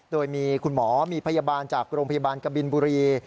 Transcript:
โดยมีคุณหมอมีพยาบาลจากโรงพยาบาลกบินบุรี